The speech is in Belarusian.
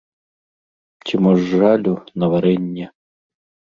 Ці мо з жалю, на варэнне.